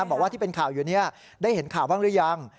บอกว่าที่เป็นข่าวอยู่นี้ได้เห็นข่าวบ้างหรือยัง